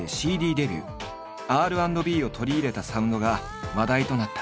Ｒ＆Ｂを取り入れたサウンドが話題となった。